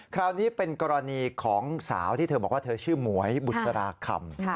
คราวนี้เป็นกรณีของสาวที่เธอบอกว่าเธอชื่อหมวยบุษราคำ